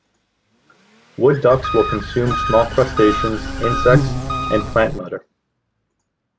Wood ducks will consume small crustaceans, insects, and plant matter.